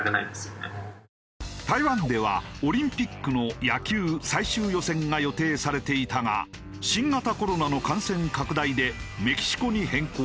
台湾ではオリンピックの野球最終予選が予定されていたが新型コロナの感染拡大でメキシコに変更された。